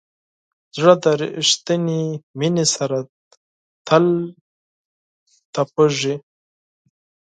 زړه د ریښتینې مینې سره تل تپېږي.